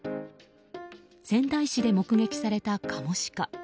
仙台市で目撃されたカモシカ。